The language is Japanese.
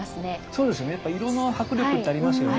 そうですよねやっぱ色の迫力ってありますよね。